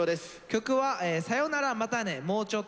曲は「さよならまたねもうちょっと」。